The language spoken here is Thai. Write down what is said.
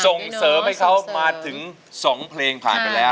ส่งเสริมให้เขามาถึง๒เพลงผ่านไปแล้ว